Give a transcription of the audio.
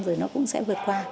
rồi nó cũng sẽ vượt qua